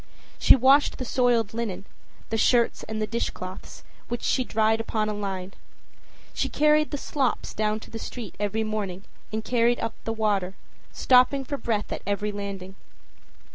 She washed the soiled linen, the shirts and the dishcloths, which she dried upon a line; she carried the slops down to the street every morning and carried up the water, stopping for breath at every landing.